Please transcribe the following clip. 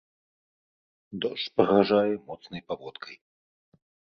Дождж пагражае моцнай паводкай.